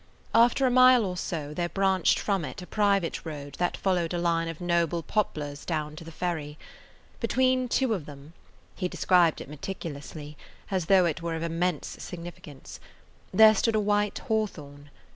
After a mile or so there branched from it a private road that followed a line of noble poplars down to the ferry. Between two of them–he described it meticulously, as though it were of immense significance–there stood a white hawthorn.